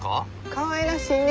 かわいらしいね。